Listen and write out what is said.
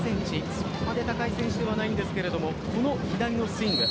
そこまで高い選手ではないんですが左のスイング。